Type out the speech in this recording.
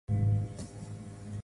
No audio.